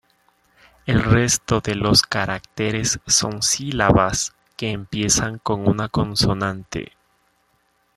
El resto de los caracteres son sílabas que empiezan con una consonante.